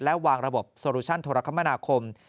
และวางระบบโซลูชั่นโทรคมนาคม